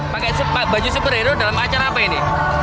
pakai baju superhero dalam acara apa ini